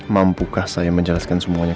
mampukah saya menjelaskan semuanya ke andi